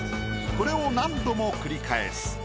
これを何度も繰り返す。